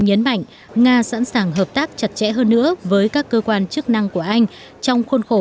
nhấn mạnh nga sẵn sàng hợp tác chặt chẽ hơn nữa với các cơ quan chức năng của anh trong khuôn khổ